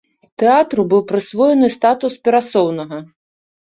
Тэатру быў прысвоены статус перасоўнага.